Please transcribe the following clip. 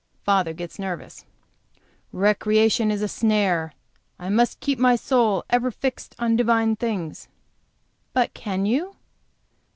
Father gets nervous. "Recreation is a snare. I must keep my soul ever fixed on divine things." "But can you?"